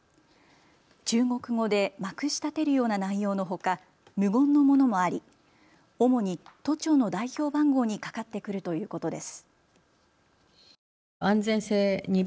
中国語でまくしたてるような内容のほか、無言のものもあり主に都庁の代表番号にかかってくるということです。